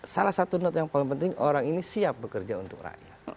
salah satu note yang paling penting orang ini siap bekerja untuk rakyat